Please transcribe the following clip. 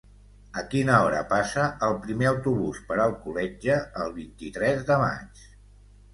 A quina hora passa el primer autobús per Alcoletge el vint-i-tres de maig?